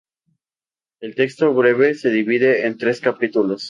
El texto breve se divide en tres capítulos.